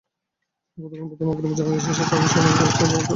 গতকাল বাদ মাগরিব জানাজা শেষে তাঁকে শাহজাহানপুর কবরস্থানে দাফন করা হয়।